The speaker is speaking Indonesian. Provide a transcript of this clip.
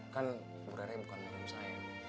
kan bu rere bukan nyuruh saya